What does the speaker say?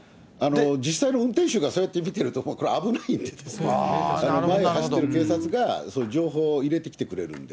実際の運転手がそうやって見てると危ないんでね、前を走ってる警察が、そういう情報を入れてきてくれるんで。